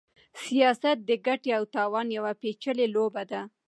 سياست د ګټې او تاوان يوه پېچلې لوبه ده.